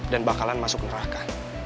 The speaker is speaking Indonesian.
dan bakalan masuk neraka